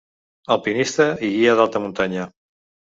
Alpinista i guia d’alta muntanya.